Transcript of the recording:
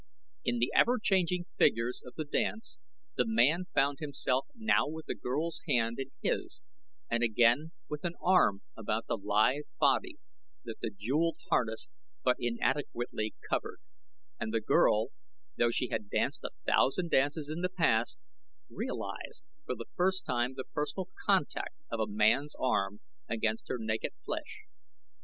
In the ever changing figures of the dance the man found himself now with the girl's hand in his and again with an arm about the lithe body that the jeweled harness but inadequately covered, and the girl, though she had danced a thousand dances in the past, realized for the first time the personal contact of a man's arm against her naked flesh.